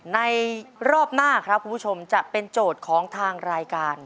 ในรอบหน้าครับคุณผู้ชมจะเป็นโจทย์ของทางรายการ